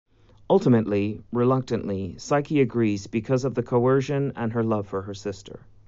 Ultimately, reluctantly, Psyche agrees because of the coercion and her love for her sister.